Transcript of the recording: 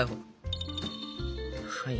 はい。